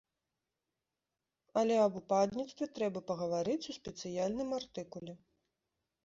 Але аб упадніцтве трэба пагаварыць у спецыяльным артыкуле.